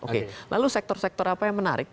oke lalu sektor sektor apa yang menarik